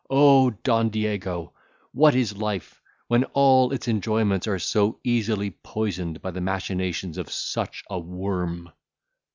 O Don Diego! what is life, when all its enjoyments are so easily poisoned by the machinations of such a worm!"